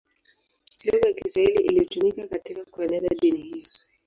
Lugha ya Kiswahili ilitumika katika kueneza dini hiyo.